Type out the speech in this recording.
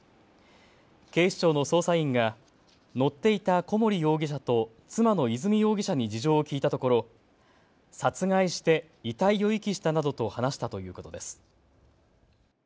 警視庁の捜査員が乗っていた小森容疑者と妻の和美容疑者に事情を聴いたところ殺害して遺体を遺棄したなどと話したということです。